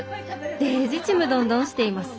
デージちむどんどんしています」。